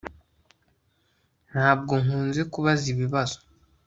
Ntabwo nkunze kubaza ibibazo